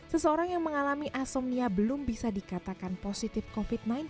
seseorang yang mengalami asomnia belum bisa dikatakan positif covid sembilan belas